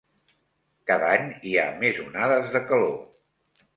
Cada any hi ha més onades de calor.